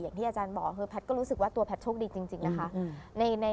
อย่างที่อาจารย์บอกคือแพทย์ก็รู้สึกว่าตัวแพทย์โชคดีจริงนะคะ